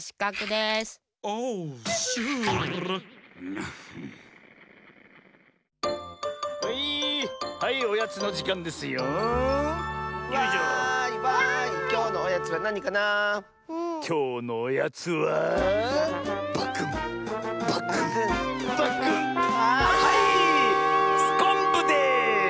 すこんぶです！